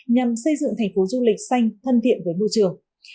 nhằm xây dựng thành phố du lịch xanh thân thiện với môi trường